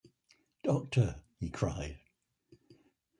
“Doctor!” he cried.